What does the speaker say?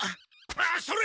あっそれ！